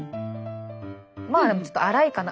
まあでもちょっと粗いかな。